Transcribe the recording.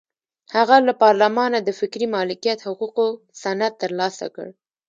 هغه له پارلمانه د فکري مالکیت حقوقو سند ترلاسه کړ.